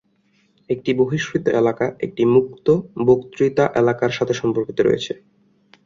একটি বহিষ্কৃত এলাকা একটি মুক্ত বক্তৃতা এলাকার সাথে সম্পর্কিত।